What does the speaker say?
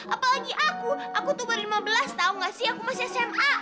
apalagi aku aku tua ber lima belas tau ga sih aku masih sma